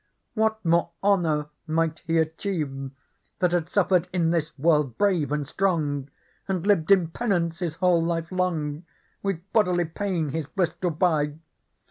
What more honour might he achieve That had suffered in this world brave and strong. And lived in penance his whole life long, With bodily pain his bliss to buy